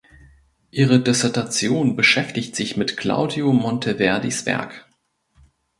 Ihre Dissertation beschäftigt sich mit Claudio Monteverdis Werk.